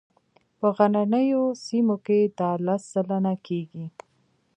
په غرنیو سیمو کې دا لس سلنه کیږي